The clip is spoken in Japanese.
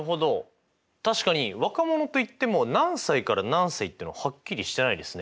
確かに若者といっても何歳から何歳っていうのははっきりしてないですね。